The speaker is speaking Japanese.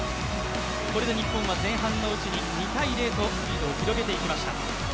これで日本は前半のうちに２ー０とリードを広げていきました。